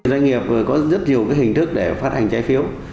doanh nghiệp vừa có rất nhiều hình thức để phát hành trái phiếu